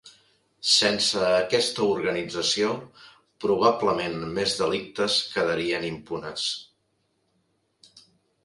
Sense aquesta organització, probablement més delictes quedarien impunes.